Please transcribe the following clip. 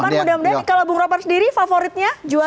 bung ropan mudah mudahan kalau bung ropan sendiri favoritnya juara